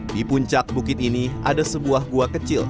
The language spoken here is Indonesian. di puncak bukit ini ada sebuah gua kecil